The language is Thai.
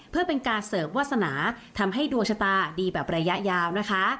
เพื่อเป็นการเสริมวาสนาทำให้ดวงชะตาดีแบบระยะยาวนะคะ